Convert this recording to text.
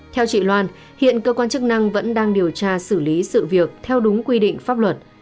theo chị loan hiện cơ quan chức năng vẫn đang điều tra xử lý sự việc theo đúng quy định pháp luật